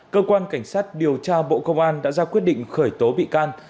cơ quan cảnh sát điều tra bộ công an đã ra quyết định khởi tố bị can